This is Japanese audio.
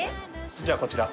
じゃあこちら。